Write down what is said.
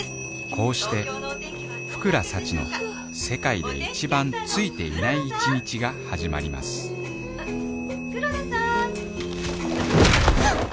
こうして福良幸の世界で一番「ついていない」１日が始まります黒田さん！